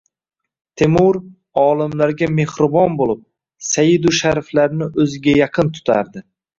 Temur olimlarga mehribon bo‘lib, sayyidu shariflarni o‘ziga yaqin tutardi